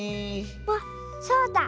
あっそうだ！